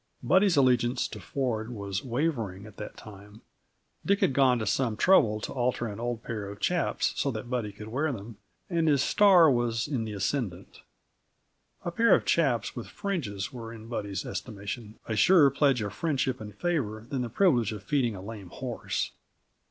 Buddy's allegiance to Ford was wavering, at that time. Dick had gone to some trouble to alter an old pair of chaps so that Buddy could wear them, and his star was in the ascendant; a pair of chaps with fringes were, in Buddy's estimation, a surer pledge of friendship and favor than the privilege of feeding a lame horse.